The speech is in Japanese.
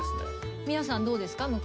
皆さんどうですか？